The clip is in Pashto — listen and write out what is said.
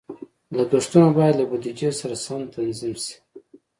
لګښتونه باید له بودیجې سره سم تنظیم شي.